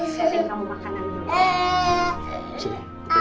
sering kamu makanan dulu